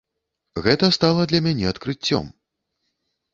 Гэта стала для мяне адкрыццём.